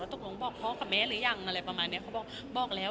ตกลงบอกพ่อกับแม่หรือยังอะไรประมาณเนี้ยเขาบอกบอกแล้ว